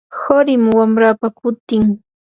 qurim wamrapa hutin.